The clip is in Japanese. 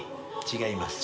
違います。